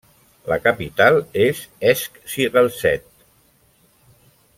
La capital és Esch-sur-Alzette.